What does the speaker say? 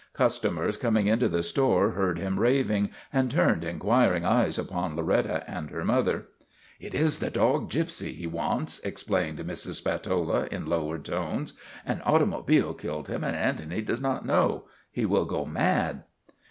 Customers coming into the store heard him raving and turned inquiring eyes upon Loretta and her mother. ' It is the dog Gypsy he wants," explained Mrs. Spatola in lowered tones. " An automobile killed him and Antony does not know. He will go mad."